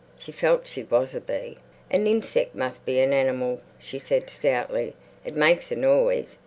She felt she was a bee. "A ninseck must be an animal," she said stoutly. "It makes a noise.